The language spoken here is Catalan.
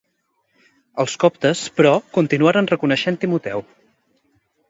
Els coptes, però, continuaren reconeixent Timoteu.